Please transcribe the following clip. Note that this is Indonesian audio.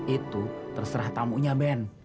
itu terserah tamunya ben